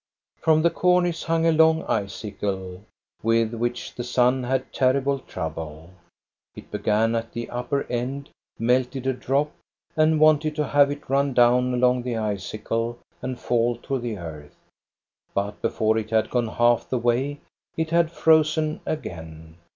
From the cornice hung a long icicle, with which the sun had terrible trouble. It began at the upper end, melted a drop, and wanted to have it run down along the icicle and fall to the earth. But before it had gone half the way, it had frozen again.